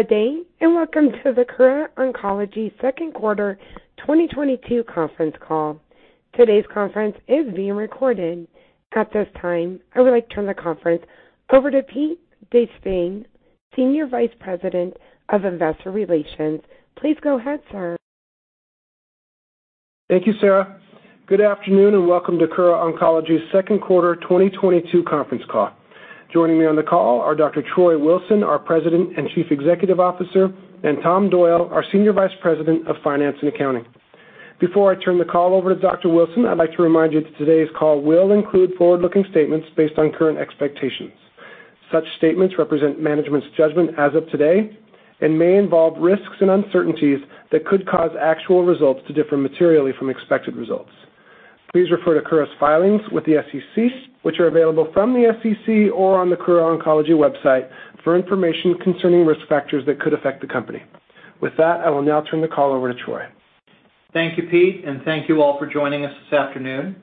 Good day, and welcome to the Kura Oncology Second Quarter 2022 Conference Call. Today's conference is being recorded. At this time, I would like to turn the conference over to Pete De Spain, Senior Vice President of Investor Relations. Please go ahead, sir. Thank you, Sarah. Good afternoon, and welcome to Kura Oncology's Second Quarter 2022 Conference Call. Joining me on the call are Dr. Troy Wilson, our President and Chief Executive Officer, and Tom Doyle, our Senior Vice President of Finance and Accounting. Before I turn the call over to Dr. Wilson, I'd like to remind you that today's call will include forward-looking statements based on current expectations. Such statements represent management's judgment as of today and may involve risks and uncertainties that could cause actual results to differ materially from expected results. Please refer to Kura's filings with the SEC, which are available from the SEC or on the Kura Oncology website for information concerning risk factors that could affect the company. With that, I will now turn the call over to Troy. Thank you, Pete, and thank you all for joining us this afternoon.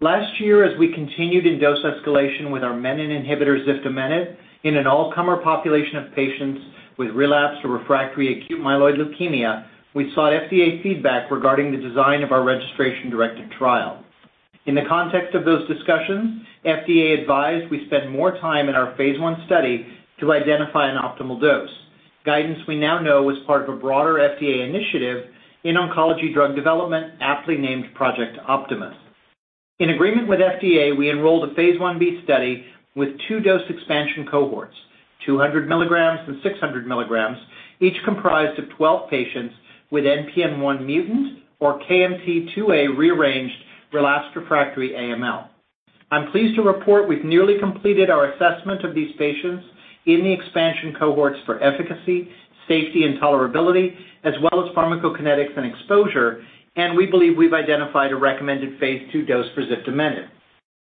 Last year, as we continued in dose escalation with our menin inhibitor, ziftomenib, in an all-comer population of patients with relapsed or refractory acute myeloid leukemia, we sought FDA feedback regarding the design of our registration-directed trial. In the context of those discussions, FDA advised we spend more time in our phase I study to identify an optimal dose. Guidance we now know was part of a broader FDA initiative in oncology drug development, aptly named Project Optimus. In agreement with FDA, we enrolled a phase I-B study with two dose expansion cohorts, 200 mg and 600 mg, each comprised of 12 patients with NPM1 mutant or KMT2A rearranged relapsed refractory AML. I'm pleased to report we've nearly completed our assessment of these patients in the expansion cohorts for efficacy, safety, and tolerability, as well as pharmacokinetics and exposure, and we believe we've identified a recommended phase II dose for ziftomenib.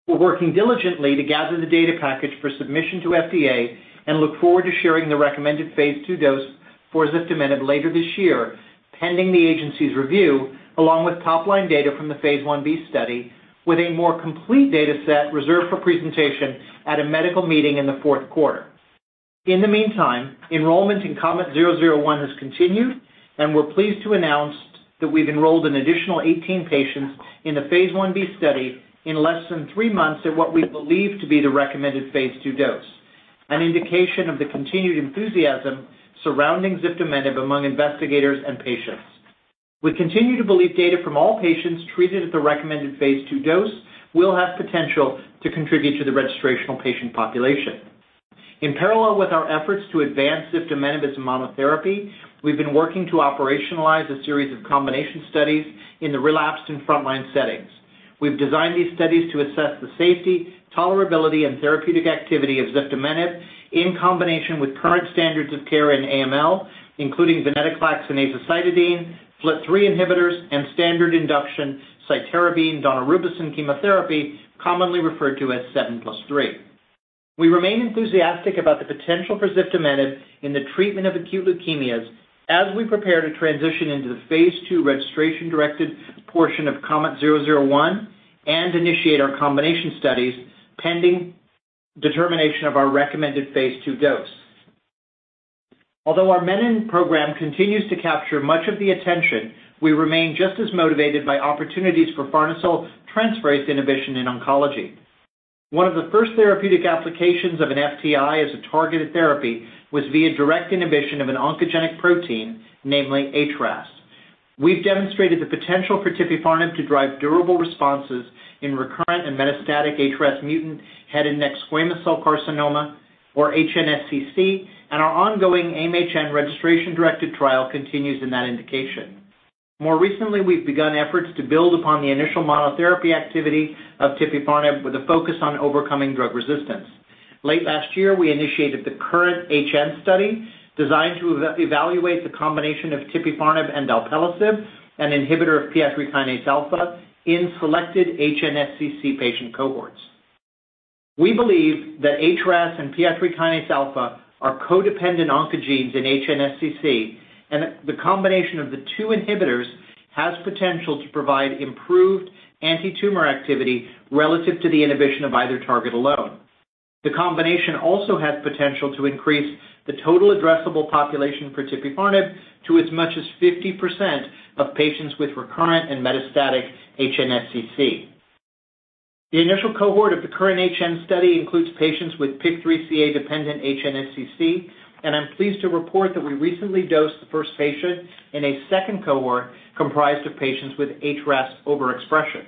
We're working diligently to gather the data package for submission to FDA and look forward to sharing the recommended phase II dose for ziftomenib later this year, pending the agency's review, along with top-line data from the phase I-B study with a more complete data set reserved for presentation at a medical meeting in the fourth quarter. In the meantime, enrollment in KOMET-001 has continued, and we're pleased to announce that we've enrolled an additional 18 patients in the phase I-B study in less than three months at what we believe to be the recommended phase II dose, an indication of the continued enthusiasm surrounding ziftomenib among investigators and patients. We continue to believe data from all patients treated at the recommended phase II dose will have potential to contribute to the registrational patient population. In parallel with our efforts to advance ziftomenib as a monotherapy, we've been working to operationalize a series of combination studies in the relapsed and frontline settings. We've designed these studies to assess the safety, tolerability, and therapeutic activity of ziftomenib in combination with current standards of care in AML, including venetoclax and azacitidine, FLT3 inhibitors, and standard induction cytarabine daunorubicin chemotherapy, commonly referred to as 7 + 3. We remain enthusiastic about the potential for ziftomenib in the treatment of acute leukemias as we prepare to transition into the phase II registration-directed portion of KOMET-001 and initiate our combination studies pending determination of our recommended phase II dose. Although our menin program continues to capture much of the attention, we remain just as motivated by opportunities for farnesyl transferase inhibition in oncology. One of the first therapeutic applications of an FTI as a targeted therapy was via direct inhibition of an oncogenic protein, namely HRAS. We've demonstrated the potential for tipifarnib to drive durable responses in recurrent and metastatic HRAS mutant head and neck squamous cell carcinoma, or HNSCC, and our ongoing AIM-HN registration-directed trial continues in that indication. More recently, we've begun efforts to build upon the initial monotherapy activity of tipifarnib with a focus on overcoming drug resistance. Late last year, we initiated the KURRENT-HN study designed to evaluate the combination of tipifarnib and alpelisib, an inhibitor of PI3 kinase alpha, in selected HNSCC patient cohorts. We believe that HRAS and PI3 kinase alpha are codependent oncogenes in HNSCC, and the combination of the two inhibitors has potential to provide improved antitumor activity relative to the inhibition of either target alone. The combination also has potential to increase the total addressable population for tipifarnib to as much as 50% of patients with recurrent and metastatic HNSCC. The initial cohort of the current HN study includes patients with PIK3CA-dependent HNSCC, and I'm pleased to report that we recently dosed the first patient in a second cohort comprised of patients with HRAS overexpression.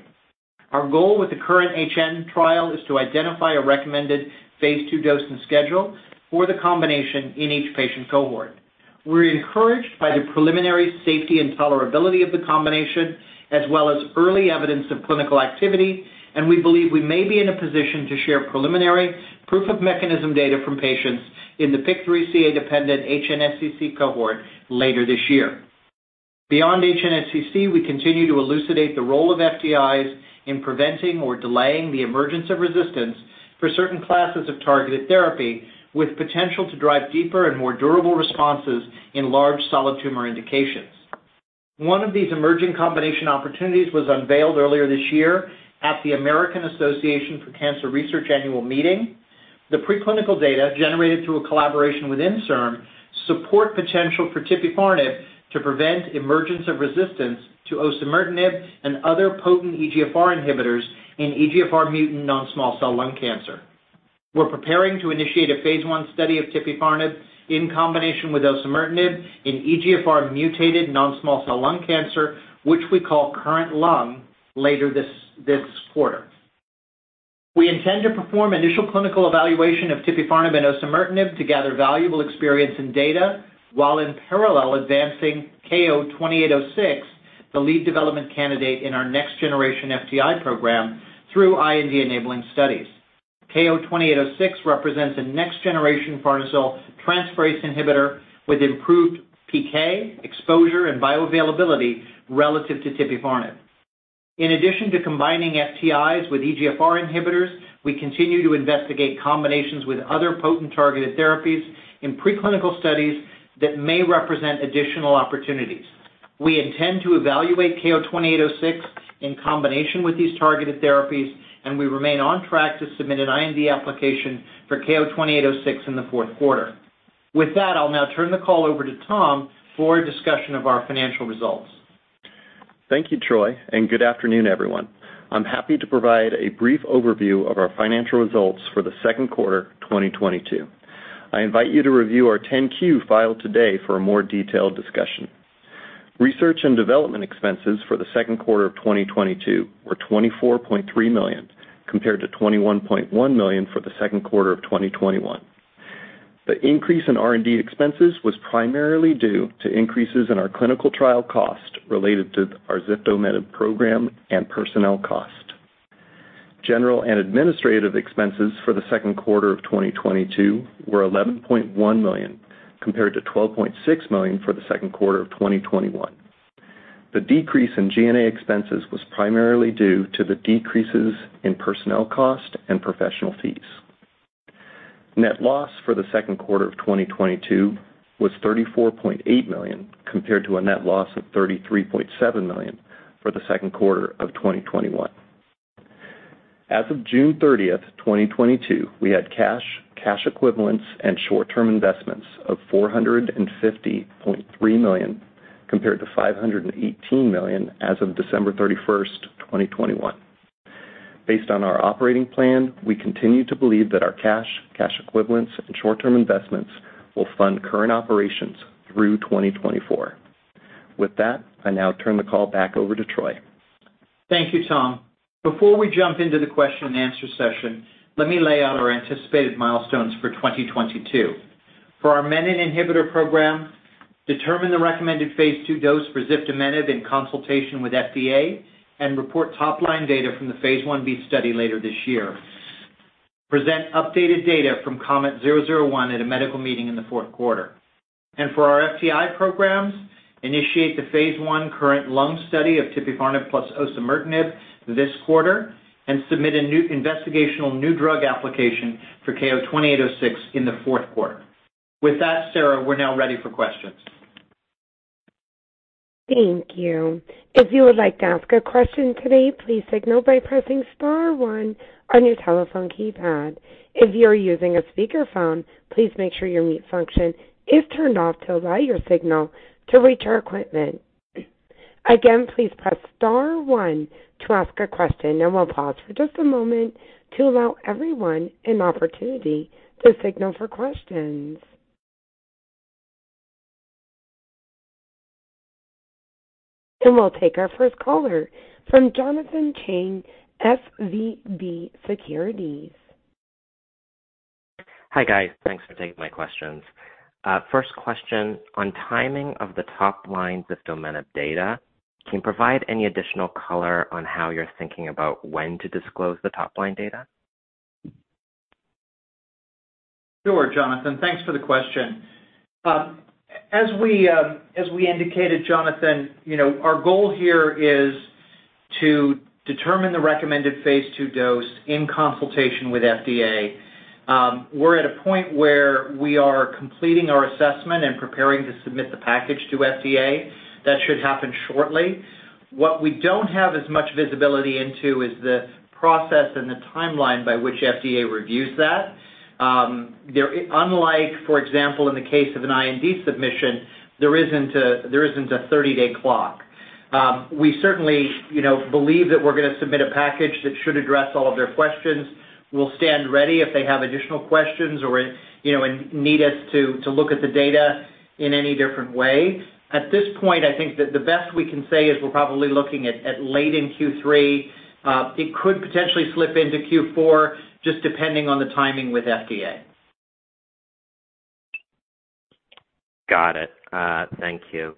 Our goal with the current HN trial is to identify a recommended phase II dose and schedule for the combination in each patient cohort. We're encouraged by the preliminary safety and tolerability of the combination as well as early evidence of clinical activity, and we believe we may be in a position to share preliminary proof of mechanism data from patients in the PIK3CA-dependent HNSCC cohort later this year. Beyond HNSCC, we continue to elucidate the role of FTIs in preventing or delaying the emergence of resistance for certain classes of targeted therapy with potential to drive deeper and more durable responses in large solid tumor indications. One of these emerging combination opportunities was unveiled earlier this year at the American Association for Cancer Research annual meeting. The preclinical data generated through a collaboration with INSERM support potential for tipifarnib to prevent emergence of resistance to osimertinib and other potent EGFR inhibitors in EGFR mutant non-small cell lung cancer. We're preparing to initiate a phase I study of tipifarnib in combination with osimertinib in EGFR mutated non-small cell lung cancer, which we call KURRENT-LUNG, later this quarter. We intend to perform initial clinical evaluation of tipifarnib and osimertinib to gather valuable experience and data while in parallel advancing KO-2806, the lead development candidate in our next generation FTI program through IND enabling studies. KO-2806 represents a next generation farnesyl transferase inhibitor with improved PK, exposure, and bioavailability relative to tipifarnib. In addition to combining FTIs with EGFR inhibitors, we continue to investigate combinations with other potent targeted therapies in preclinical studies that may represent additional opportunities. We intend to evaluate KO-2806 in combination with these targeted therapies, and we remain on track to submit an IND application for KO-2806 in the fourth quarter. With that, I'll now turn the call over to Tom for a discussion of our financial results. Thank you, Troy, and good afternoon, everyone. I'm happy to provide a brief overview of our financial results for the second quarter 2022. I invite you to review our 10-Q filed today for a more detailed discussion. Research and development expenses for the second quarter of 2022 were $24.3 million, compared to $21.1 million for the second quarter of 2021. The increase in R&D expenses was primarily due to increases in our clinical trial cost related to our ziftomenib program and personnel cost. General and administrative expenses for the second quarter of 2022 were $11.1 million, compared to $12.6 million for the second quarter of 2021. The decrease in G&A expenses was primarily due to the decreases in personnel cost and professional fees. Net loss for the second quarter of 2022 was $34.8 million, compared to a net loss of $33.7 million for the second quarter of 2021. As of June 30, 2022, we had cash equivalents and short-term investments of $450.3 million, compared to $518 million as of December 31, 2021. Based on our operating plan, we continue to believe that our cash equivalents and short-term investments will fund current operations through 2024. With that, I now turn the call back over to Troy. Thank you, Tom. Before we jump into the question and answer session, let me lay out our anticipated milestones for 2022. For our menin inhibitor program, determine the recommended phase II dose for ziftomenib in consultation with FDA and report top-line data from the phase I-B study later this year. Present updated data from KOMET-001 at a medical meeting in the fourth quarter. For our FTI programs, initiate the phase I KURRENT-LUNG study of tipifarnib plus osimertinib this quarter and submit an investigational new drug application for KO-2806 in the fourth quarter. With that, Sarah, we're now ready for questions. Thank you. If you would like to ask a question today, please signal by pressing star one on your telephone keypad. If you're using a speakerphone, please make sure your mute function is turned off to allow your signal to reach our equipment. Again, please press star one to ask a question, and we'll pause for just a moment to allow everyone an opportunity to signal for questions. We'll take our first caller from Jonathan Chang, SVB Securities. Hi, guys. Thanks for taking my questions. First question, on timing of the top-line Ziftomenib data, can you provide any additional color on how you're thinking about when to disclose the top-line data? Sure, Jonathan, thanks for the question. As we indicated, Jonathan, you know, our goal here is to determine the recommended phase II dose in consultation with FDA. We're at a point where we are completing our assessment and preparing to submit the package to FDA. That should happen shortly. What we don't have as much visibility into is the process and the timeline by which FDA reviews that. Unlike, for example, in the case of an IND submission, there isn't a 30-day clock. We certainly, you know, believe that we're gonna submit a package that should address all of their questions. We'll stand ready if they have additional questions or, you know, and need us to look at the data in any different way. At this point, I think that the best we can say is we're probably looking at late in Q3. It could potentially slip into Q4 just depending on the timing with FDA. Got it. Thank you.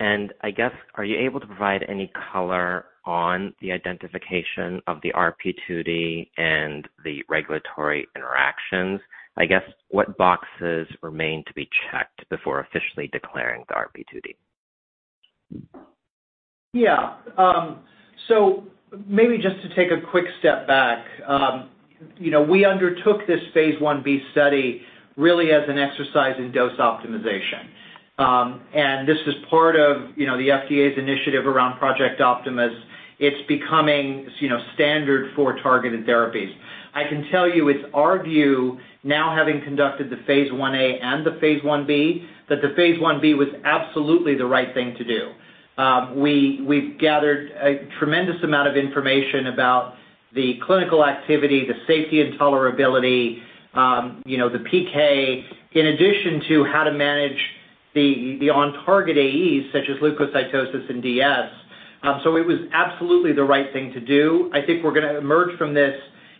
I guess, are you able to provide any color on the identification of the RP2D and the regulatory interactions? I guess, what boxes remain to be checked before officially declaring the RP2D? Yeah. Maybe just to take a quick step back. You know, we undertook phase I-B study really as an exercise in dose optimization. This is part of, you know, the FDA's initiative around Project Optimus. It's becoming, you know, standard for targeted therapies. I can tell you it's our view now having conducted the phase I-A and phase I-B, that phase I-B was absolutely the right thing to do. We've gathered a tremendous amount of information about the clinical activity, the safety and tolerability, you know, the PK, in addition to how to manage the on-target AEs such as leukocytosis and DS. It was absolutely the right thing to do. I think we're gonna emerge from this,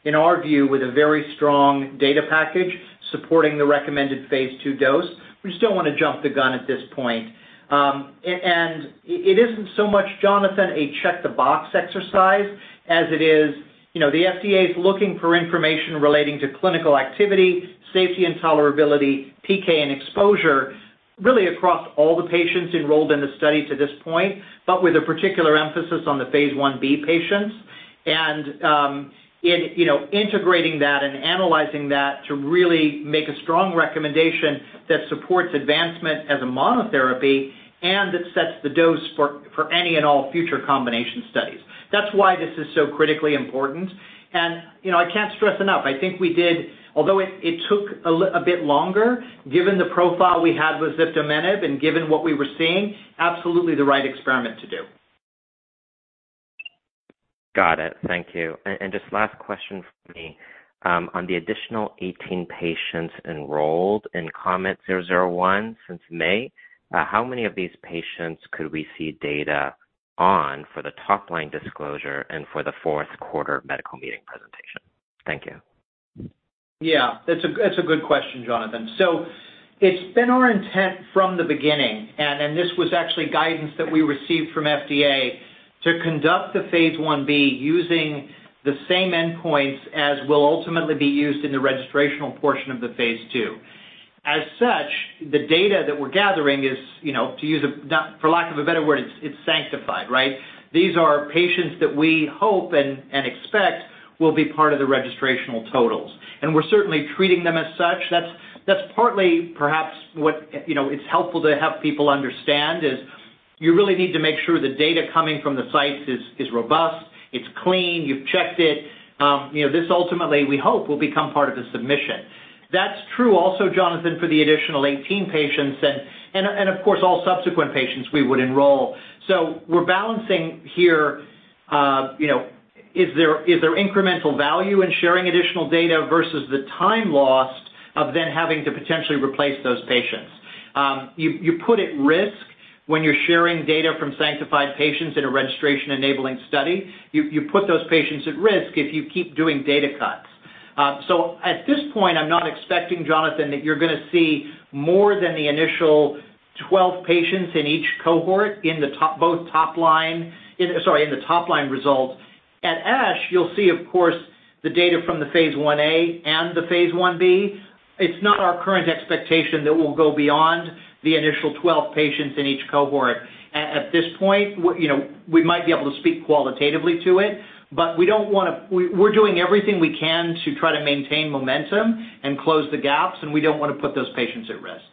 in our view, with a very strong data package supporting the recommended phase II dose. We just don't wanna jump the gun at this point. It isn't so much, Jonathan, a check the box exercise as it is, you know, the FDA is looking for information relating to clinical activity, safety and tolerability, PK, and exposure really across all the patients enrolled in the study to this point, but with a particular emphasis on the phase IB patients. You know, integrating that and analyzing that to really make a strong recommendation that supports advancement as a monotherapy and that sets the dose for any and all future combination studies. That's why this is so critically important. You know, I can't stress enough. Although it took a bit longer, given the profile we had with ziftomenib and given what we were seeing, absolutely the right experiment to do. Got it. Thank you. Just last question for me. On the additional 18 patients enrolled in KOMET-001 since May, how many of these patients could we see data on for the top line disclosure and for the fourth quarter medical meeting presentation? Thank you. That's a good question, Jonathan. It's been our intent from the beginning, and this was actually guidance that we received from FDA, to conduct phase I-B using the same endpoints as will ultimately be used in the registrational portion of the phase II. As such, the data that we're gathering is, for lack of a better word, it's sanctified, right? These are patients that we hope and expect will be part of the registrational totals, and we're certainly treating them as such. That's partly perhaps what it's helpful to have people understand is you really need to make sure the data coming from the site is robust, it's clean, you've checked it. This ultimately we hope will become part of the submission. That's true also, Jonathan, for the additional 18 patients and of course all subsequent patients we would enroll. We're balancing here, you know, is there incremental value in sharing additional data versus the time lost of then having to potentially replace those patients? You put at risk when you're sharing data from stratified patients in a registration enabling study. You put those patients at risk if you keep doing data cuts. I'm not expecting, Jonathan, that you're gonna see more than the initial 12 patients in each cohort in the top line results. At ASH, you'll see of course, the data from the phase I-A and the phase I-B. It's not our current expectation that we'll go beyond the initial 12 patients in each cohort. At this point, you know, we might be able to speak qualitatively to it, but we don't wanna. We're doing everything we can to try to maintain momentum and close the gaps, and we don't wanna put those patients at risk.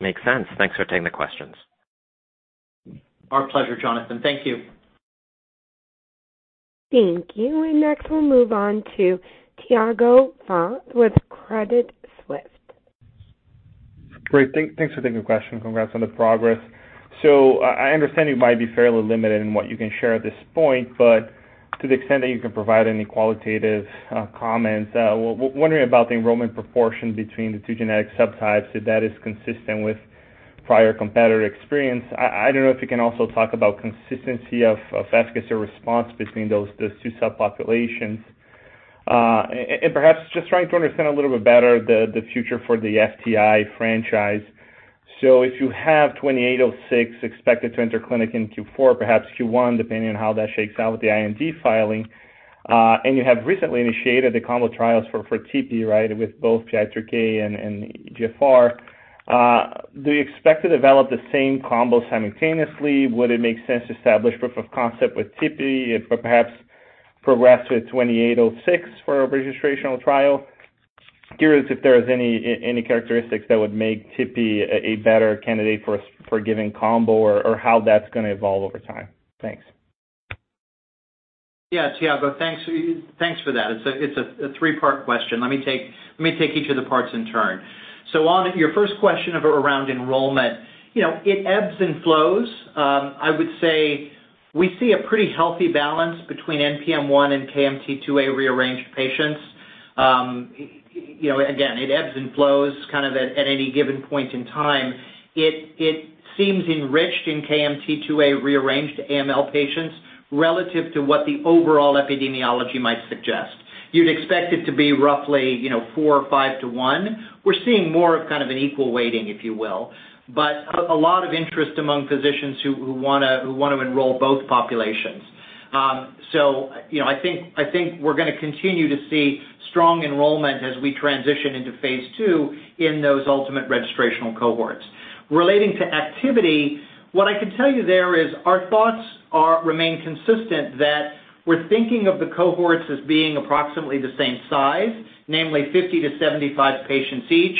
Makes sense. Thanks for taking the questions. Our pleasure, Jonathan. Thank you. Thank you. Next we'll move on to Tiago Fauth with Credit Suisse. Great. Thanks for taking the question. Congrats on the progress. I understand you might be fairly limited in what you can share at this point, but to the extent that you can provide any qualitative comments, wondering about the enrollment proportion between the two genetic subtypes, if that is consistent with prior competitor experience. I don't know if you can also talk about consistency of efficacy or response between those two subpopulations. Perhaps just trying to understand a little bit better the future for the FTI franchise. If you have 2806 expected to enter clinic in Q4, perhaps Q1, depending on how that shakes out with the IND filing, and you have recently initiated the combo trials for tipifarnib, right? With both PI3K and EGFR, do you expect to develop the same combo simultaneously? Would it make sense to establish proof of concept with tipifarnib or perhaps progress with 2806 for a registrational trial? Curious if there's any characteristics that would make Tipi a better candidate for giving combo or how that's gonna evolve over time. Thanks. Yeah. Tiago, thanks. Thanks for that. It's a three-part question. Let me take each of the parts in turn. On your first question around enrollment, you know, it ebbs and flows. I would say we see a pretty healthy balance between NPM1 and KMT2A rearranged patients. You know, again, it ebbs and flows kind of at any given point in time. It seems enriched in KMT2A rearranged AML patients relative to what the overall epidemiology might suggest. You'd expect it to be roughly, you know, four or five to one. We're seeing more of kind of an equal weighting, if you will, but a lot of interest among physicians who wanna enroll both populations. You know, I think we're gonna continue to see strong enrollment as we transition into phase two in those ultimate registrational cohorts. Relating to activity, what I can tell you there is our thoughts are remain consistent that we're thinking of the cohorts as being approximately the same size, namely 50-75 patients each.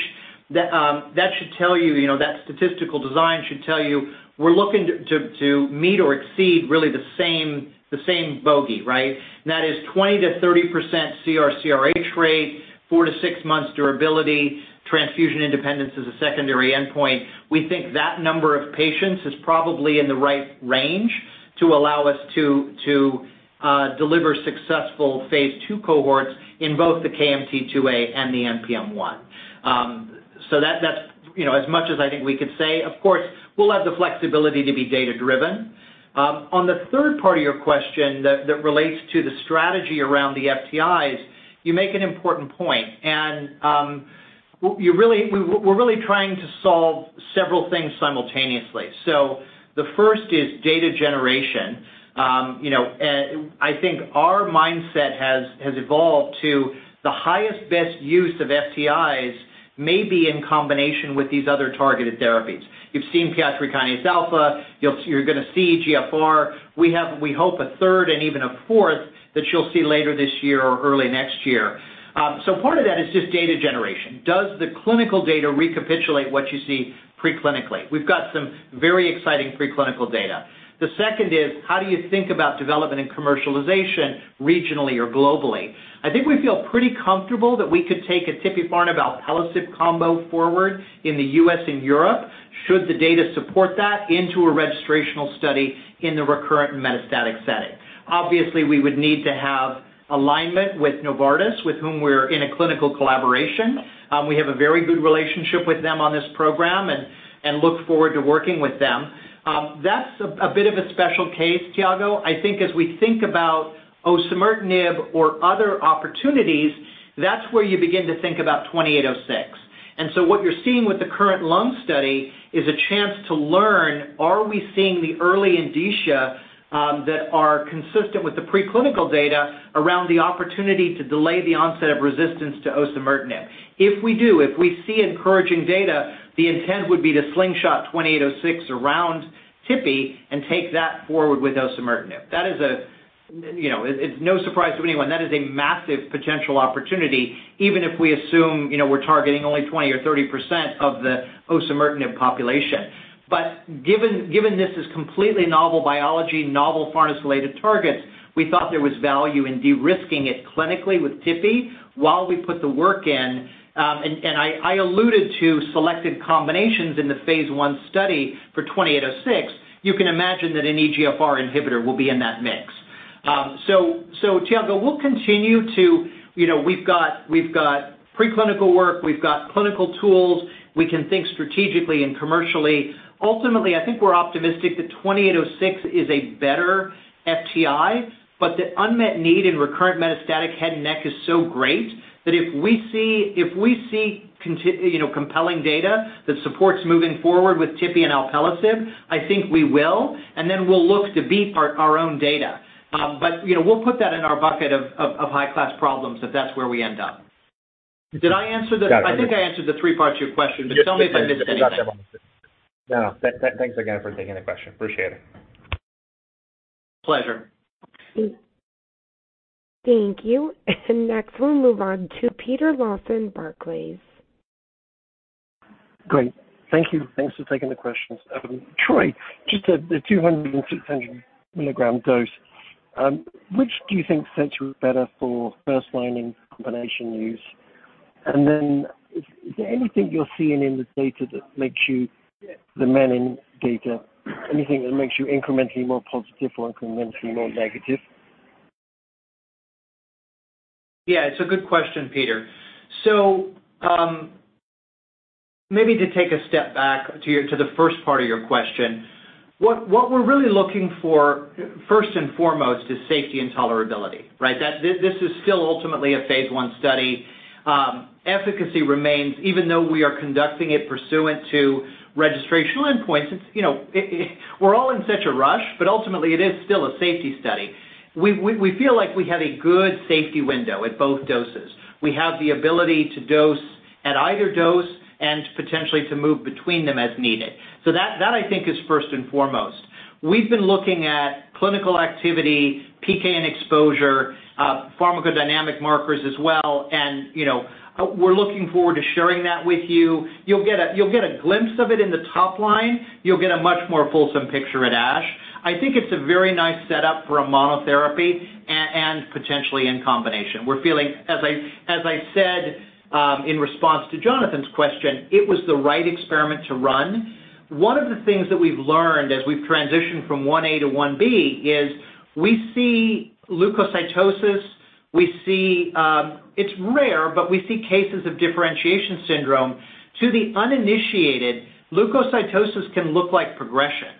That should tell you know, that statistical design should tell you we're looking to meet or exceed really the same bogey, right? That is 20%-30% CR/CRh rate, four to six months durability, transfusion independence as a secondary endpoint. We think that number of patients is probably in the right range to allow us to deliver successful phase II cohorts in both the KMT2A and the NPM1. That's you know as much as I think we could say. Of course, we'll have the flexibility to be data-driven. On the third part of your question that relates to the strategy around the FTIs, you make an important point. We're really trying to solve several things simultaneously. The first is data generation. You know I think our mindset has evolved to the highest best use of FTIs may be in combination with these other targeted therapies. You've seen PI3K alpha, you're gonna see EGFR. We have, we hope, a third and even a fourth that you'll see later this year or early next year. Part of that is just data generation. Does the clinical data recapitulate what you see pre-clinically? We've got some very exciting pre-clinical data. The second is how do you think about development and commercialization regionally or globally? I think we feel pretty comfortable that we could take a tipifarnib and alpelisib combo forward in the U.S. and Europe should the data support that into a registrational study in the recurrent and metastatic setting. Obviously, we would need to have alignment with Novartis, with whom we're in a clinical collaboration. We have a very good relationship with them on this program and look forward to working with them. That's a bit of a special case, Tiago. I think as we think about osimertinib or other opportunities, that's where you begin to think about KO-2806. What you're seeing with the current lung study is a chance to learn, are we seeing the early indications that are consistent with the preclinical data around the opportunity to delay the onset of resistance to osimertinib? If we do, if we see encouraging data, the intent would be to slingshot 2806 around tipifarnib and take that forward with osimertinib. That is a, you know, it's no surprise to anyone. That is a massive potential opportunity, even if we assume, you know, we're targeting only 20% or 30% of the osimertinib population. But given this is completely novel biology, novel farnesyl-related targets, we thought there was value in de-risking it clinically with tipi while we put the work in. I alluded to selected combinations in the phase I study for 2806. You can imagine that an EGFR inhibitor will be in that mix. Tiago, we'll continue to. You know, we've got pre-clinical work, we've got clinical tools. We can think strategically and commercially. Ultimately, I think we're optimistic that KO-2806 is a better FTI, but the unmet need in recurrent metastatic head and neck is so great that if we see compelling data that supports moving forward with tipifarnib and alpelisib, I think we will, and then we'll look to beat our own data. But you know, we'll put that in our bucket of high-class problems if that's where we end up. Did I answer the- Yeah. I think I answered the three parts of your question, but tell me if I missed anything. No. Thanks again for taking the question. Appreciate it. Pleasure. Thank you. Next we'll move on to Peter Lawson, Barclays. Great. Thank you. Thanks for taking the questions. Troy, just the 200 mg and 600 mg dose, which do you think sets you up better for first-line combination use? Is there anything you're seeing in this data that makes you, the menin data, anything that makes you incrementally more positive or incrementally more negative? Yeah, it's a good question, Peter. Maybe to take a step back to the first part of your question, what we're really looking for first and foremost is safety and tolerability, right? That this is still ultimately a phase I study. Efficacy remains even though we are conducting it pursuant to registrational endpoints. It's, you know. We're all in such a rush, but ultimately, it is still a safety study. We feel like we have a good safety window at both doses. We have the ability to dose at either dose and potentially to move between them as needed. That I think is first and foremost. We've been looking at clinical activity, PK and exposure, pharmacodynamic markers as well, and, you know, we're looking forward to sharing that with you. You'll get a glimpse of it in the top line. You'll get a much more fulsome picture at ASH. I think it's a very nice setup for a monotherapy and potentially in combination. We're feeling. As I said, in response to Jonathan's question, it was the right experiment to run. One of the things that we've learned as we've transitioned from I-A to I-B is we see leukocytosis, we see. It's rare, but we see cases of differentiation syndrome. To the uninitiated, leukocytosis can look like progression.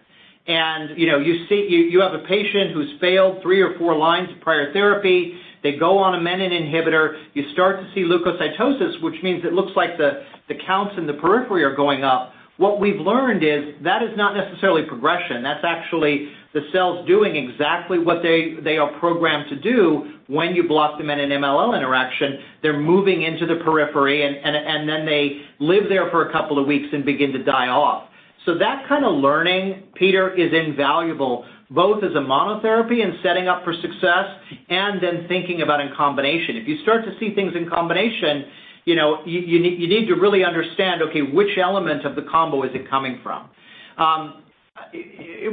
You know, you see. You have a patient who's failed three or four lines of prior therapy. They go on a menin inhibitor, you start to see leukocytosis, which means it looks like the counts in the periphery are going up. What we've learned is that is not necessarily progression. That's actually the cells doing exactly what they are programmed to do when you block them in an MLL interaction, they're moving into the periphery and then they live there for a couple of weeks and begin to die off. That kind of learning, Peter, is invaluable, both as a monotherapy and setting up for success, and then thinking about in combination. If you start to see things in combination, you know, you need to really understand, okay, which element of the combo is it coming from?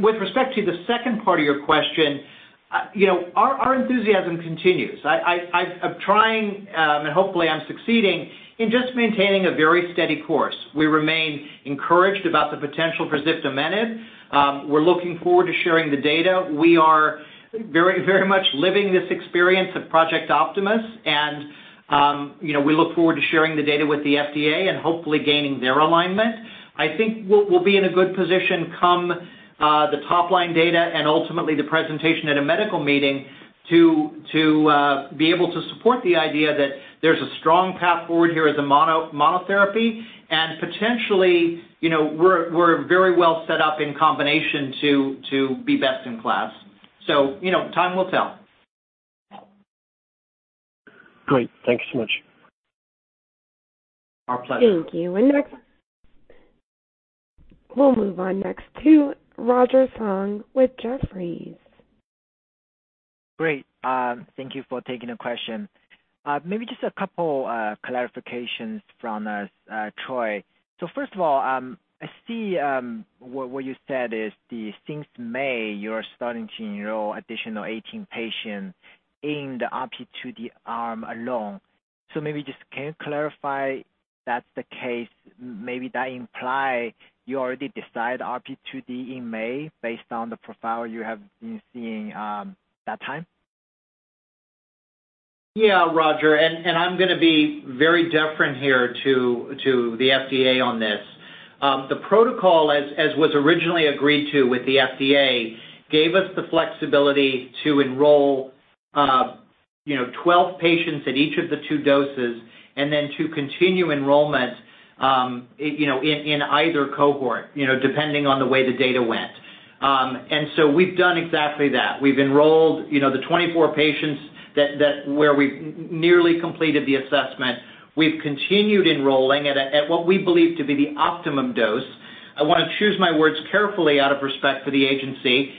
With respect to the second part of your question, you know, our enthusiasm continues. I'm trying and hopefully I'm succeeding in just maintaining a very steady course. We remain encouraged about the potential for ziftomenib. We're looking forward to sharing the data. We are very, very much living this experience of Project Optimus, and, you know, we look forward to sharing the data with the FDA and hopefully gaining their alignment. I think we'll be in a good position come the top-line data and ultimately the presentation at a medical meeting to be able to support the idea that there's a strong path forward here as a monotherapy. Potentially, you know, we're very well set up in combination to be best in class. You know, time will tell. Great. Thank you so much. Our pleasure. Thank you. We'll move on next to Roger Song with Jefferies. Great. Thank you for taking the question. Maybe just a couple clarifications from us, Troy. First of all, I see what you said is that since May you're starting to enroll additional 18 patients in the RP2D arm alone. Maybe just can you clarify that's the case, maybe that imply you already decide RP2D in May based on the profile you have been seeing that time? Yeah, Roger, I'm gonna be very different here to the FDA on this. The protocol as was originally agreed to with the FDA gave us the flexibility to enroll, you know, 12 patients at each of the two doses and then to continue enrollment, you know, in either cohort, you know, depending on the way the data went. We've done exactly that. We've enrolled, you know, the 24 patients that where we've nearly completed the assessment. We've continued enrolling at what we believe to be the optimum dose. I wanna choose my words carefully out of respect for the agency.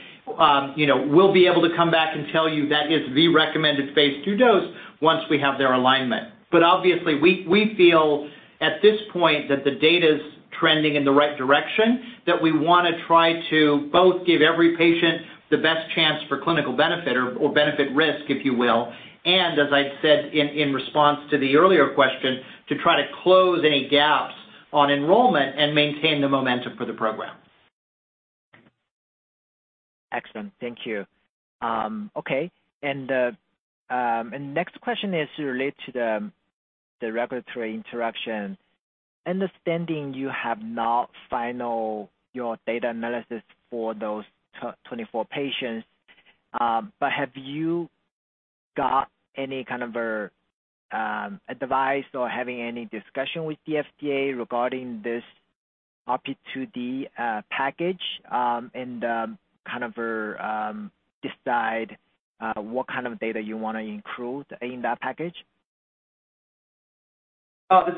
You know, we'll be able to come back and tell you that is the recommended phase II dose once we have their alignment. Obviously, we feel at this point that the data's trending in the right direction, that we wanna try to both give every patient the best chance for clinical benefit or benefit risk, if you will, and as I said in response to the earlier question, to try to close any gaps on enrollment and maintain the momentum for the program. Excellent. Thank you. Next question is related to the regulatory interaction. Understanding you have not finalized your data analysis for those 24 patients, but have you got any kind of advice or had any discussion with the FDA regarding this RP2D package, and kind of decided what kind of data you wanna include in that package?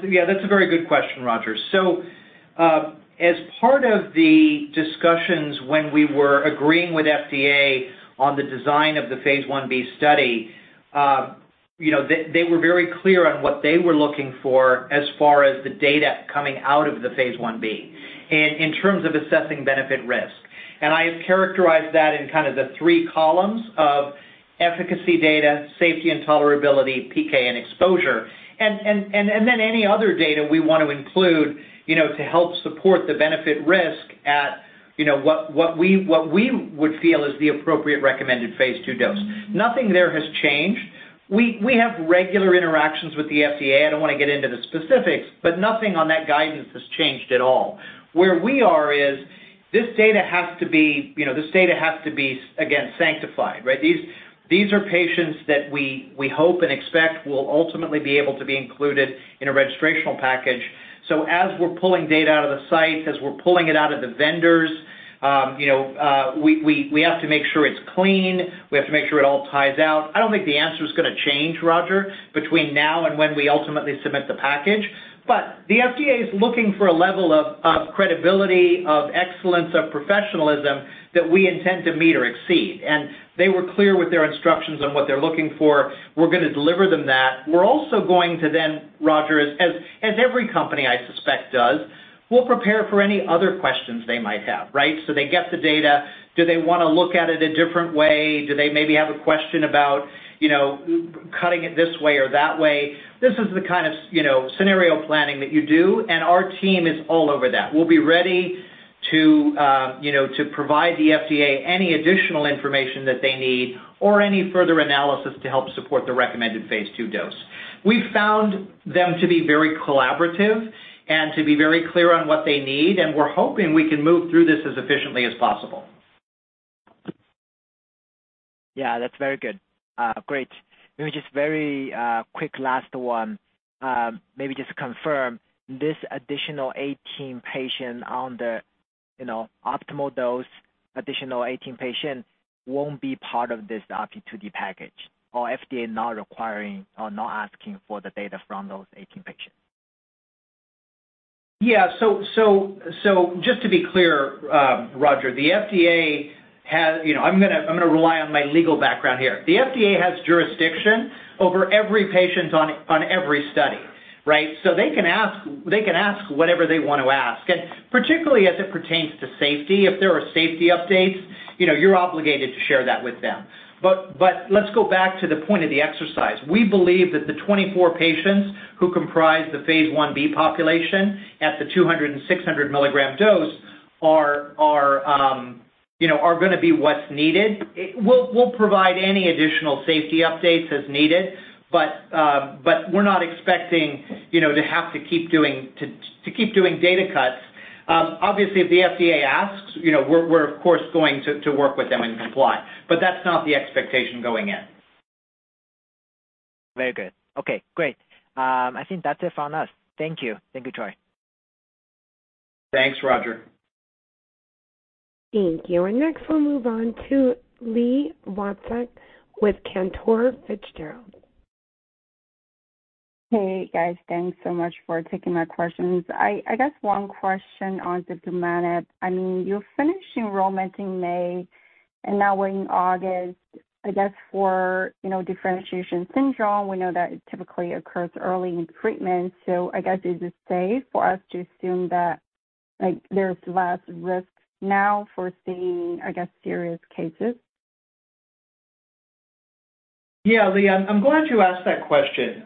Yeah, that's a very good question, Roger. As part of the discussions when we were agreeing with FDA on the design of phase I-B study, you know, they were very clear on what they were looking for as far as the data coming out of phase I-B in terms of assessing benefit risk. I characterize that in kind of the three columns of efficacy data, safety and tolerability, PK, and exposure. Then any other data we want to include, you know, to help support the benefit risk at what we would feel is the appropriate recommended phase II dose. Nothing there has changed. We have regular interactions with the FDA. I don't wanna get into the specifics, but nothing on that guidance has changed at all. Where we are is this data has to be, you know, again, sanctified, right? These are patients that we hope and expect will ultimately be able to be included in a registrational package. As we're pulling data out of the site, as we're pulling it out of the vendors, you know, we have to make sure it's clean. We have to make sure it all ties out. I don't think the answer is gonna change, Roger, between now and when we ultimately submit the package. The FDA is looking for a level of credibility, of excellence, of professionalism that we intend to meet or exceed. They were clear with their instructions on what they're looking for. We're gonna deliver them that. We're also going to then, Roger, as every company I suspect does, we'll prepare for any other questions they might have, right? They get the data. Do they wanna look at it a different way? Do they maybe have a question about, you know, cutting it this way or that way? This is the kind of, you know, scenario planning that you do, and our team is all over that. We'll be ready to, you know, to provide the FDA any additional information that they need or any further analysis to help support the recommended phase II dose. We found them to be very collaborative and to be very clear on what they need, and we're hoping we can move through this as efficiently as possible. Yeah, that's very good. Great. Let me just very quick last one. Maybe just confirm this additional 18 patient on the optimal dose, additional 18 patient won't be part of this RP2D package or FDA not requiring or not asking for the data from those 18 patients. Yeah. Just to be clear, Roger. You know, I'm gonna rely on my legal background here. The FDA has jurisdiction over every patient on every study, right? They can ask whatever they want to ask, and particularly as it pertains to safety, if there are safety updates, you know, you're obligated to share that with them. Let's go back to the point of the exercise. We believe that the 24 patients who comprise the phase I-B population at the 200 mg and 600 mg dose, you know, are gonna be what's needed. We'll provide any additional safety updates as needed, but we're not expecting, you know, to have to keep doing data cuts. Obviously if the FDA asks, you know, we're of course going to work with them and comply, but that's not the expectation going in. Very good. Okay, great. I think that's it from us. Thank you. Thank you, Troy. Thanks, Roger. Thank you. Next we'll move on to Li Watsek with Cantor Fitzgerald. Hey, guys. Thanks so much for taking my questions. I guess one question on ziftomenib. I mean, you're finished enrollment in May, and now we're in August. I guess for, you know, differentiation syndrome, we know that it typically occurs early in treatment, so I guess is it safe for us to assume that, like, there's less risk now for seeing, I guess, serious cases? Yeah. Li, I'm glad you asked that question.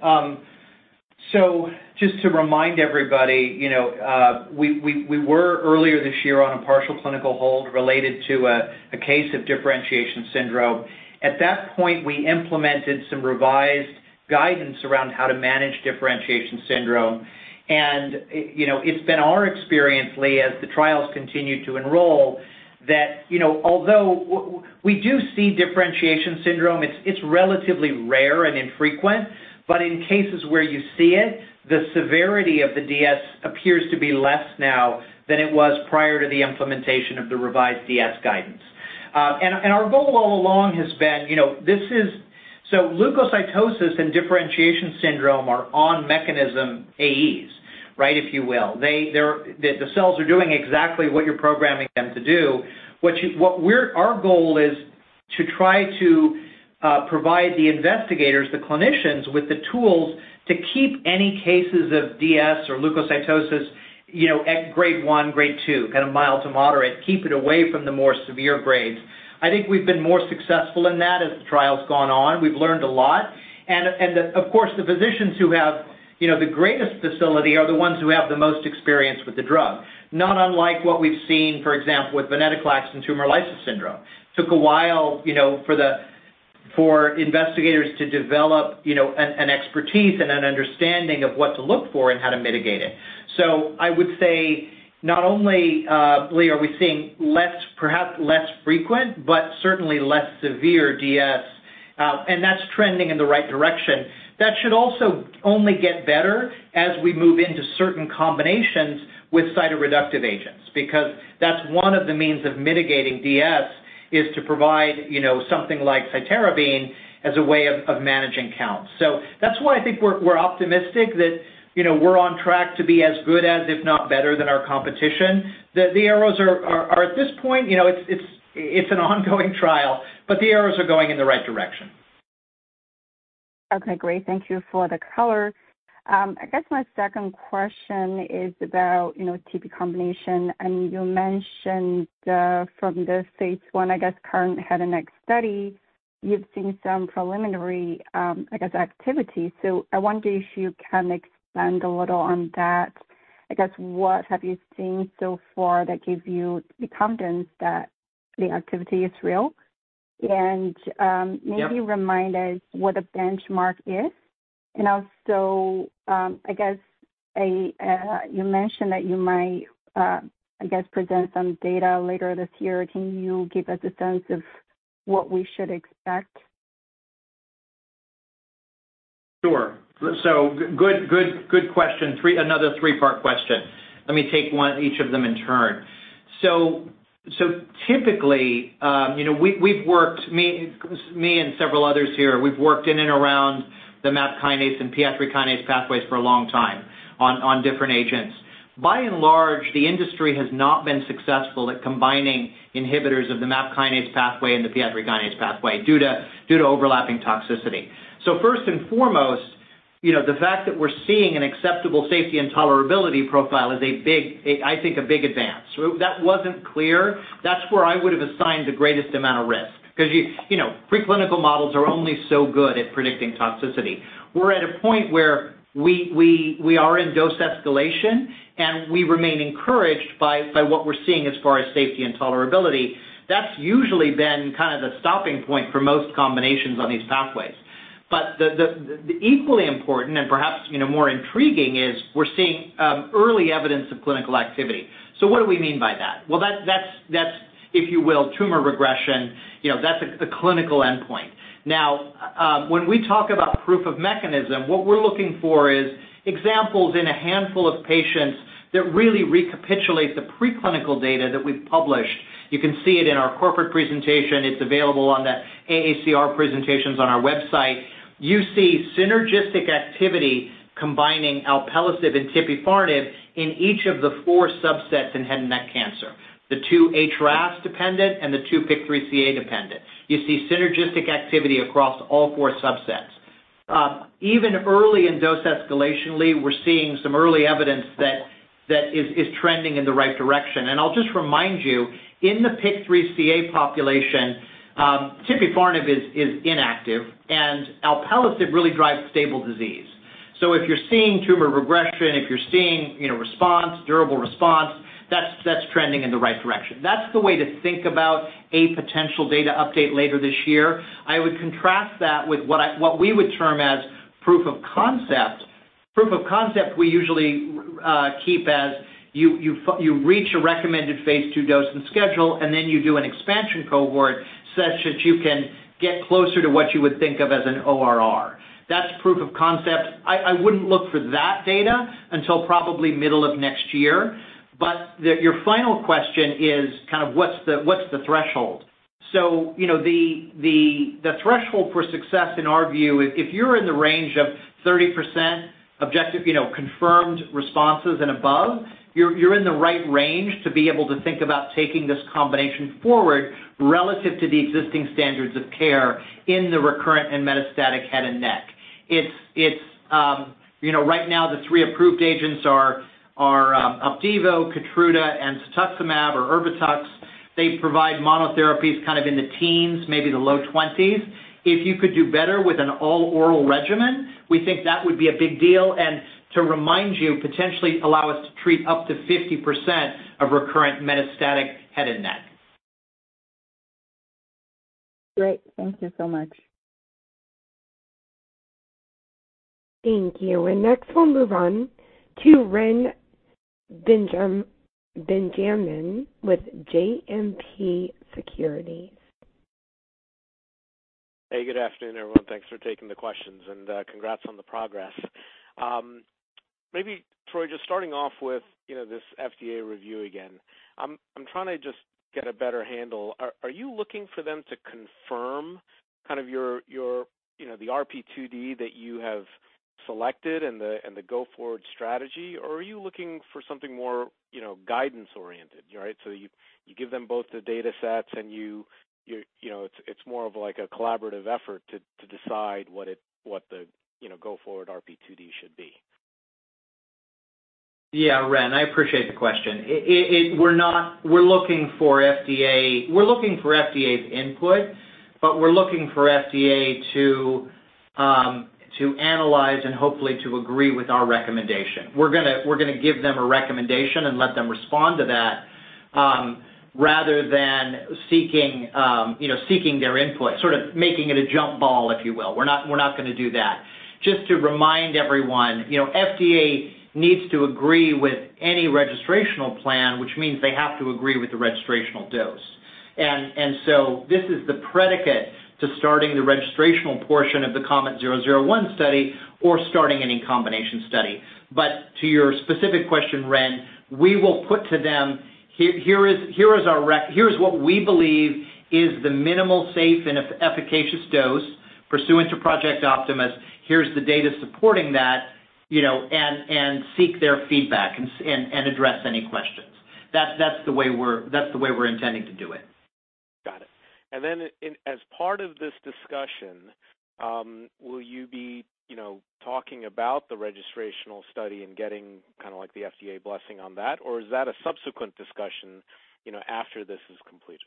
Just to remind everybody, you know, we were earlier this year on a partial clinical hold related to a case of differentiation syndrome. At that point, we implemented some revised guidance around how to manage differentiation syndrome. You know, it's been our experience, Li, as the trials continue to enroll that, you know, although we do see differentiation syndrome, it's relatively rare and infrequent, but in cases where you see it, the severity of the DS appears to be less now than it was prior to the implementation of the revised DS guidance. Our goal all along has been, you know, leukocytosis and differentiation syndrome are on-mechanism AEs, right, if you will. They're. The cells are doing exactly what you're programming them to do. Our goal is to try to provide the investigators, the clinicians, with the tools to keep any cases of DS or leukocytosis, you know, at grade 1, grade 2, kind of mild to moderate, keep it away from the more severe grades. I think we've been more successful in that as the trial's gone on. We've learned a lot. And of course, the physicians who have, you know, the greatest facility are the ones who have the most experience with the drug, not unlike what we've seen, for example, with venetoclax and tumor lysis syndrome. Took a while, you know, for investigators to develop, you know, an expertise and an understanding of what to look for and how to mitigate it. I would say not only, Li, are we seeing less, perhaps less frequent, but certainly less severe DS, and that's trending in the right direction. That should also only get better as we move into certain combinations with cytoreductive agents, because that's one of the means of mitigating DS, is to provide, you know, something like cytarabine as a way of managing counts. That's why I think we're optimistic that, you know, we're on track to be as good as if not better than our competition. The arrows are at this point, you know, it's an ongoing trial, but the arrows are going in the right direction. Okay, great. Thank you for the color. I guess my second question is about, you know, TP combination. I mean, you mentioned from the phase I, I guess, KURRENT-HN study, you've seen some preliminary, I guess, activity. I wonder if you can expand a little on that. I guess, what have you seen so far that gives you the confidence that the activity is real? Yeah. Maybe remind us what a benchmark is. Also, I guess you mentioned that you might, I guess, present some data later this year. Can you give us a sense of what we should expect? Good question. Another three-part question. Let me take one, each of them in turn. Typically, you know, we've worked, me and several others here, we've worked in and around the MAP kinase and PI3 kinase pathways for a long time on different agents. By and large, the industry has not been successful at combining inhibitors of the MAP kinase pathway and the PI3 kinase pathway due to overlapping toxicity. First and foremost, you know, the fact that we're seeing an acceptable safety and tolerability profile is a big, I think a big advance. If that wasn't clear, that's where I would have assigned the greatest amount of risk. 'Cause you know, preclinical models are only so good at predicting toxicity. We're at a point where we are in dose escalation, and we remain encouraged by what we're seeing as far as safety and tolerability. That's usually been kind of the stopping point for most combinations on these pathways. The equally important and perhaps, you know, more intriguing is we're seeing early evidence of clinical activity. What do we mean by that? Well, that's, if you will, tumor regression, you know, that's a clinical endpoint. Now, when we talk about proof of mechanism, what we're looking for is examples in a handful of patients that really recapitulate the preclinical data that we've published. You can see it in our corporate presentation. It's available on the AACR presentations on our website. You see synergistic activity combining alpelisib and tipifarnib in each of the four subsets in head and neck cancer, the two HRAS dependent and the two PIK3CA dependent. You see synergistic activity across all four subsets. Even early in dose escalation, Li, we're seeing some early evidence that is trending in the right direction. I'll just remind you, in the PIK3CA population, tipifarnib is inactive and alpelisib really drives stable disease. If you're seeing tumor regression, if you're seeing, you know, response, durable response, that's trending in the right direction. That's the way to think about a potential data update later this year. I would contrast that with what we would term as proof of concept. Proof of concept we usually keep as you reach a recommended phase II dose and schedule, and then you do an expansion cohort such that you can get closer to what you would think of as an ORR. That's proof of concept. I wouldn't look for that data until probably middle of next year. Your final question is kind of what's the threshold? You know, the threshold for success in our view, if you're in the range of 30% objective, you know, confirmed responses and above, you're in the right range to be able to think about taking this combination forward relative to the existing standards of care in the recurrent and metastatic head and neck. It's you know, right now the three approved agents are Opdivo, Keytruda, and cetuximab or Erbitux. They provide monotherapies kind of in the teens, maybe the low twenties. If you could do better with an all-oral regimen, we think that would be a big deal. To remind you, potentially allow us to treat up to 50% of recurrent metastatic head and neck. Great. Thank you so much. Thank you. Next, we'll move on to Reni Benjamin with JMP Securities. Hey, good afternoon, everyone. Thanks for taking the questions and congrats on the progress. Maybe, Troy, just starting off with, you know, this FDA review again, I'm trying to just get a better handle. Are you looking for them to confirm kind of your, you know, the RP2D that you have selected and the go-forward strategy? Or are you looking for something more, you know, guidance-oriented, right? You give them both the datasets and you know, it's more of like a collaborative effort to decide what the, you know, go-forward RP2D should be. Yeah, Reni, I appreciate the question. We're looking for FDA's input, but we're looking for FDA to analyze and hopefully agree with our recommendation. We're gonna give them a recommendation and let them respond to that, rather than seeking, you know, seeking their input, sort of making it a jump ball, if you will. We're not gonna do that. Just to remind everyone, you know, FDA needs to agree with any registrational plan, which means they have to agree with the registrational dose. This is the predicate to starting the registrational portion of the KOMET-001 study or starting any combination study. To your specific question, Reni, we will put to them, "Here is what we believe is the minimal safe and efficacious dose pursuant to Project Optimus. Here's the data supporting that," you know, and seek their feedback and address any questions. That's the way we're intending to do it. Got it. In as part of this discussion, will you be, you know, talking about the registrational study and getting kind of like the FDA blessing on that? Or is that a subsequent discussion, you know, after this is completed?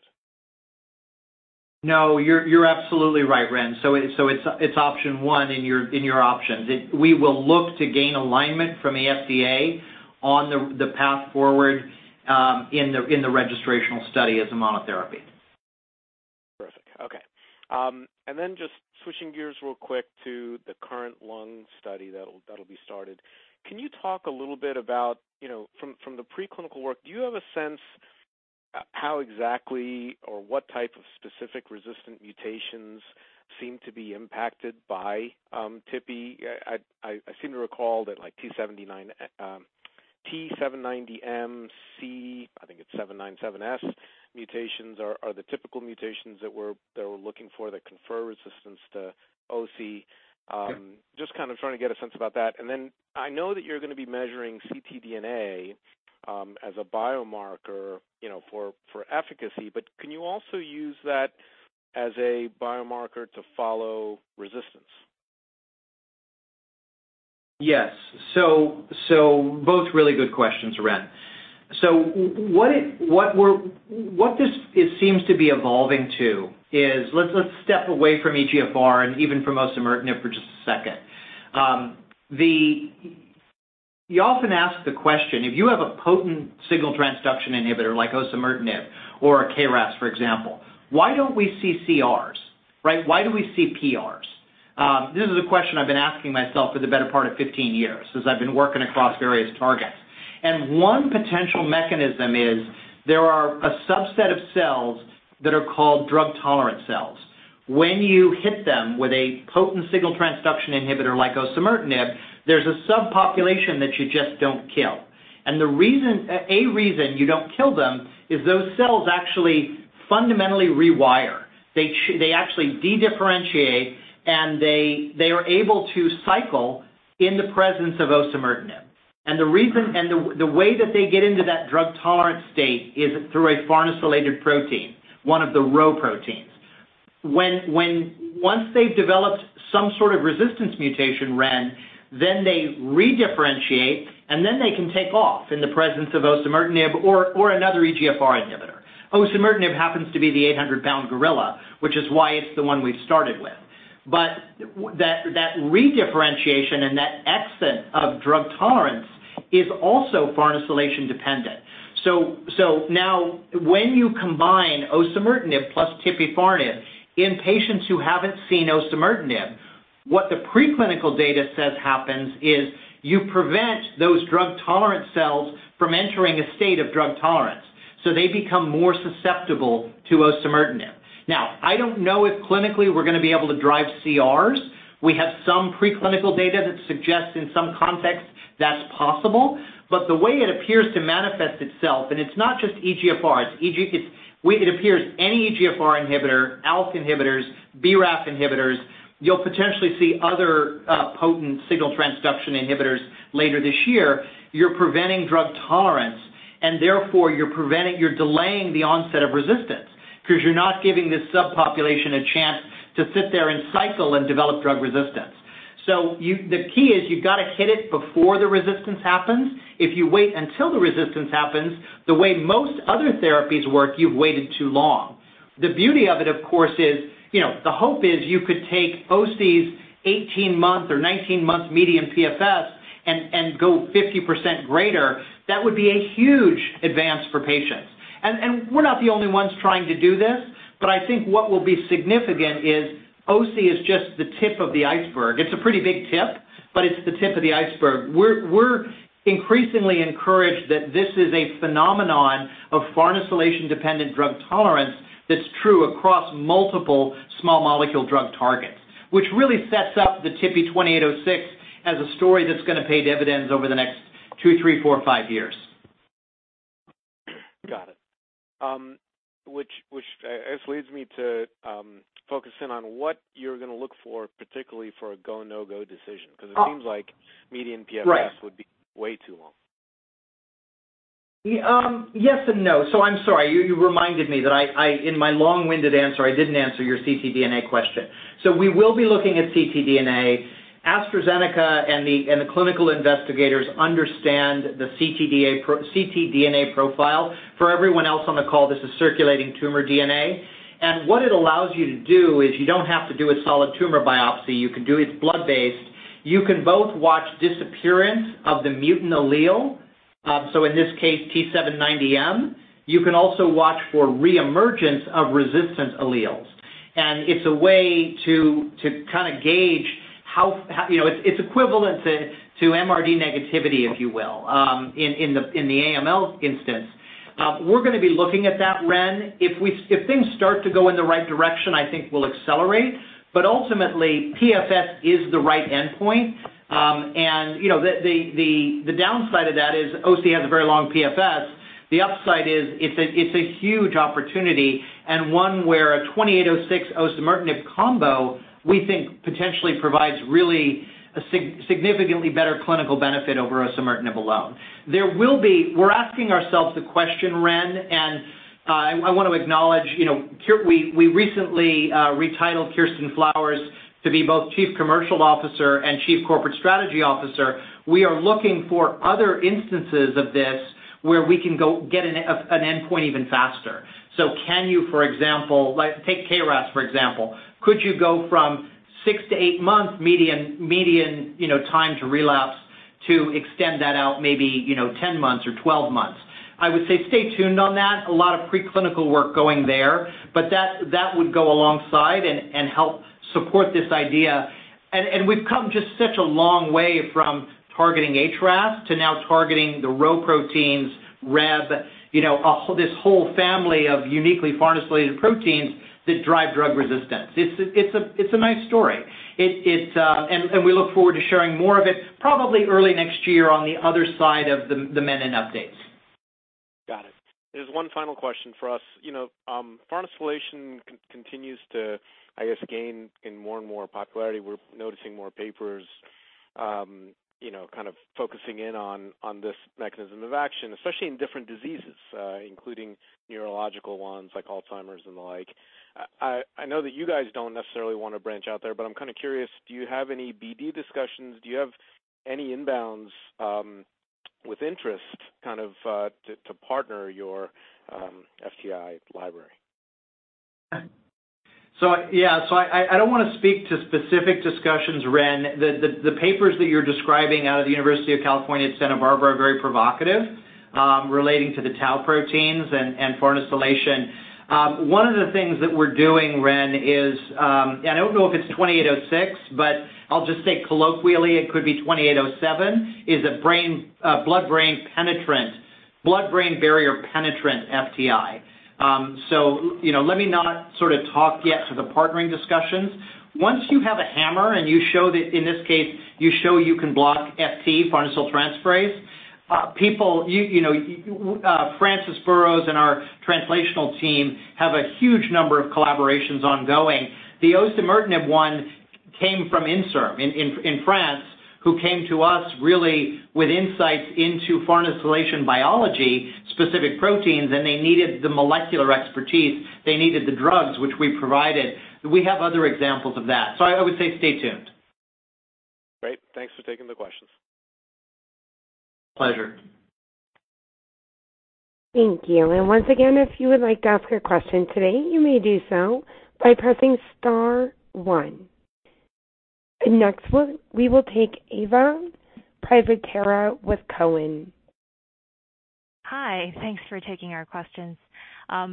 No, you're absolutely right, Ren. It's option one in your options. We will look to gain alignment from the FDA on the path forward in the registrational study as a monotherapy. Perfect. Okay. Just switching gears real quick to the current lung study that'll be started. Can you talk a little bit about, from the preclinical work, do you have a sense how exactly or what type of specific resistant mutations seem to be impacted by tipifarnib? I seem to recall that, like, T790M/C797S, I think it's C797S mutations are the typical mutations that we're looking for that confer resistance to osimertinib. Yeah. Just kind of trying to get a sense about that. I know that you're gonna be measuring ctDNA as a biomarker, you know, for efficacy, but can you also use that as a biomarker to follow resistance? Yes. Both really good questions, Ren. What this is seems to be evolving to is, let's step away from EGFR and even from osimertinib for just a second. We often ask the question, if you have a potent signal transduction inhibitor like osimertinib or KRAS, for example, why don't we see CRs, right? Why do we see PRs? This is a question I've been asking myself for the better part of 15 years, since I've been working across various targets. One potential mechanism is there are a subset of cells that are called drug-tolerant cells. When you hit them with a potent signal transduction inhibitor like osimertinib, there's a subpopulation that you just don't kill. The reason, a reason you don't kill them is those cells actually fundamentally rewire. They actually dedifferentiate, and they are able to cycle in the presence of osimertinib. The way that they get into that drug-tolerant state is through a farnesylated protein, one of the Rho proteins. Once they've developed some sort of resistance mutation, Reni, they redifferentiate, and they can take off in the presence of osimertinib or another EGFR inhibitor. Osimertinib happens to be the 800-pound gorilla, which is why it's the one we've started with. That redifferentiation and that extent of drug tolerance is also farnesylation-dependent. Now when you combine osimertinib plus tipifarnib in patients who haven't seen osimertinib, what the preclinical data says happens is you prevent those drug-tolerant cells from entering a state of drug tolerance, so they become more susceptible to osimertinib. Now, I don't know if clinically we're gonna be able to drive CRs. We have some preclinical data that suggests in some contexts that's possible. The way it appears to manifest itself, and it's not just EGFR, it appears any EGFR inhibitor, ALK inhibitors, BRAF inhibitors, you'll potentially see other potent signal transduction inhibitors later this year. You're preventing drug tolerance, and therefore you're preventing. You're delaying the onset of resistance 'cause you're not giving this subpopulation a chance to sit there and cycle and develop drug resistance. The key is you've gotta hit it before the resistance happens. If you wait until the resistance happens, the way most other therapies work, you've waited too long. The beauty of it, of course, is, you know, the hope is you could take osimertinib's 18-month or 19-month median PFS and go 50% greater. That would be a huge advance for patients. We're not the only ones trying to do this, but I think what will be significant is osimertinib is just the tip of the iceberg. It's a pretty big tip, but it's the tip of the iceberg. We're increasingly encouraged that this is a phenomenon of farnesylation-dependent drug tolerance that's true across multiple small molecule drug targets, which really sets up the KO-2806 as a story that's gonna pay dividends over the next two, three, four, five years. Got it. This leads me to focus in on what you're gonna look for, particularly for a go/no-go decision. Oh. 'Cause it seems like median PFS. Right Would be way too long. Yes and no. I'm sorry, you reminded me that I in my long-winded answer didn't answer your ctDNA question. We will be looking at ctDNA. AstraZeneca and the clinical investigators understand the ctDNA profile. For everyone else on the call, this is circulating tumor DNA. What it allows you to do is you don't have to do a solid tumor biopsy, you can do it blood-based. You can both watch disappearance of the mutant allele, so in this case T790M. You can also watch for reemergence of resistant alleles. It's a way to kinda gauge how you know, it's equivalent to MRD negativity, if you will, in the AML instance. We're gonna be looking at that, Reni. If things start to go in the right direction, I think we'll accelerate. Ultimately, PFS is the right endpoint. You know, the downside of that is osimertinib has a very long PFS. The upside is it's a huge opportunity and one where a 2806 osimertinib combo, we think potentially provides really a significantly better clinical benefit over osimertinib alone. We're asking ourselves the question, Reni. I wanna acknowledge, you know, we recently retitled Kirsten Flowers to be both Chief Commercial Officer and Chief Corporate Strategy Officer. We are looking for other instances of this where we can go get an endpoint even faster. Can you, for example, like take KRAS, for example, could you go from six to eight months median time to relapse to extend that out maybe, you know, 10 months or 12 months? I would say stay tuned on that. A lot of preclinical work going there, but that would go alongside and help support this idea. We've come just such a long way from targeting HRAS to now targeting the Rho proteins, Rheb, you know, this whole family of uniquely farnesylated proteins that drive drug resistance. It's a nice story. We look forward to sharing more of it probably early next year on the other side of the Menin updates. Got it. There's one final question for us. You know, farnesylation continues to, I guess, gain in more and more popularity. We're noticing more papers, you know, kind of focusing in on this mechanism of action, especially in different diseases, including neurological ones like Alzheimer's and the like. I know that you guys don't necessarily wanna branch out there, but I'm kinda curious, do you have any BD discussions? Do you have any inbounds, with interest kind of to partner your FTI library? Yeah, I don't wanna speak to specific discussions, Reni. The papers that you're describing out of the University of California, Santa Barbara are very provocative, relating to the tau proteins and farnesylation. One of the things that we're doing, Reni, is, and I don't know if it's 2806, but I'll just say colloquially it could be 2807, a blood-brain penetrant, blood-brain barrier penetrant FTI. You know, let me not sort of talk yet to the partnering discussions. Once you have a hammer, and you show that, in this case, you show you can block FT, farnesyl transferase, people, you know, Francis Burrows and our translational team have a huge number of collaborations ongoing. The osimertinib one came from Inserm in France, who came to us really with insights into farnesylation biology, specific proteins, and they needed the molecular expertise. They needed the drugs, which we provided. We have other examples of that. I would say stay tuned. Great. Thanks for taking the questions. Pleasure. Thank you. Once again, if you would like to ask a question today, you may do so by pressing star one. Next we will take Eva Privitera with Cowen. Hi. Thanks for taking our questions.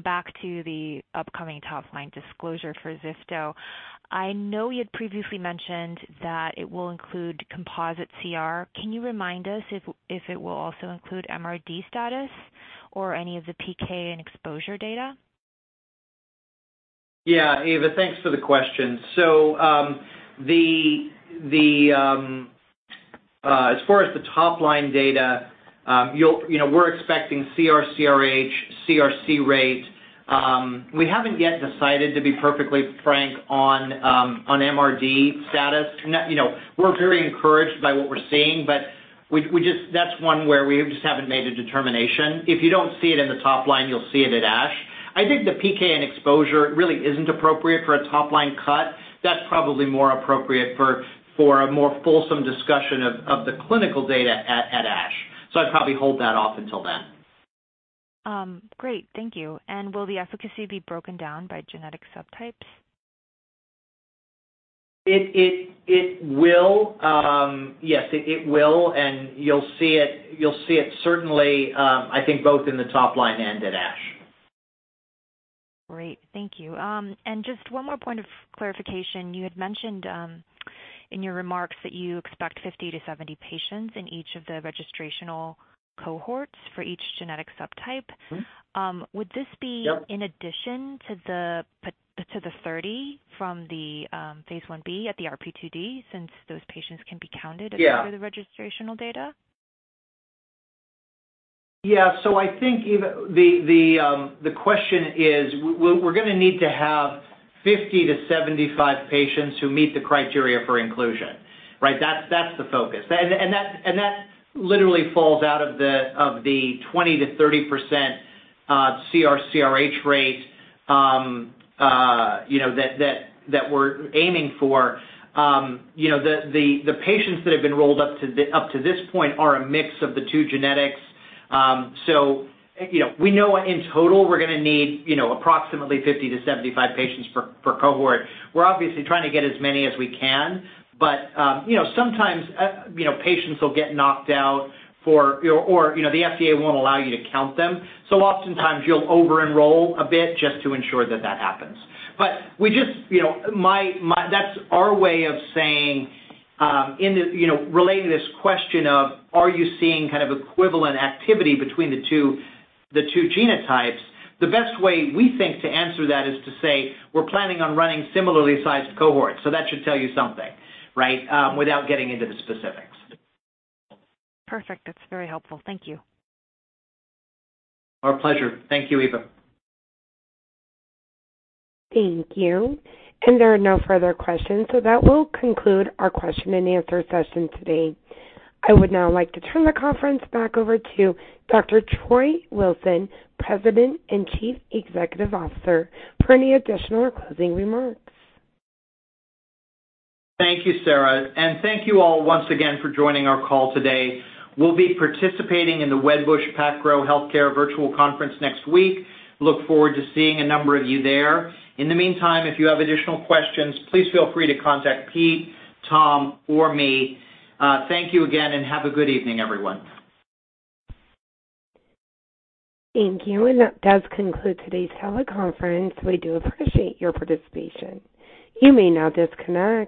Back to the upcoming top-line disclosure for ziftomenib. I know you had previously mentioned that it will include composite CR. Can you remind us if it will also include MRD status or any of the PK and exposure data? Yeah. Eva, thanks for the question. As far as the top-line data, you'll. You know, we're expecting CR/CRh, CRc rate. We haven't yet decided, to be perfectly frank, on MRD status. You know, we're very encouraged by what we're seeing, but we just. That's one where we just haven't made a determination. If you don't see it in the top line, you'll see it at ASH. I think the PK and exposure really isn't appropriate for a top-line cut. That's probably more appropriate for a more fulsome discussion of the clinical data at ASH. I'd probably hold that off until then. Great. Thank you. Will the efficacy be broken down by genetic subtypes? It will. Yes, it will, and you'll see it certainly. I think both in the top line and at ASH. Great. Thank you. Just one more point of clarification. You had mentioned in your remarks that you expect 50-70 patients in each of the registrational cohorts for each genetic subtype. Mm-hmm. Would this be? Yep. In addition to the 30 from phase I-B at the RP2D since those patients can be counted Yeah. As part of the registrational data? I think the question is, we're gonna need to have 50-75 patients who meet the criteria for inclusion, right? That's the focus. That literally falls out of the 20%-30% CR/CRh rate, you know, that we're aiming for. You know, the patients that have been rolled up to this point are a mix of the two genetics. You know, we know in total we're gonna need, you know, approximately 50-75 patients per cohort. We're obviously trying to get as many as we can. Sometimes, you know, patients will get knocked out, or the FDA won't allow you to count them, so oftentimes you'll over-enroll a bit just to ensure that happens. We just, you know, that's our way of saying, you know, relating to this question of, are you seeing kind of equivalent activity between the two genotypes? The best way we think to answer that is to say, "We're planning on running similarly sized cohorts." That should tell you something, right? Without getting into the specifics. Perfect. That's very helpful. Thank you. Our pleasure. Thank you, Eva. Thank you. There are no further questions, so that will conclude our question and answer session today. I would now like to turn the conference back over to Dr. Troy Wilson, President and Chief Executive Officer, for any additional closing remarks. Thank you, Sarah. Thank you all once again for joining our call today. We'll be participating in the Wedbush PacGrow Healthcare Virtual Conference next week. Look forward to seeing a number of you there. In the meantime, if you have additional questions, please feel free to contact Pete, Tom, or me. Thank you again, and have a good evening, everyone. Thank you. That does conclude today's teleconference. We do appreciate your participation. You may now disconnect.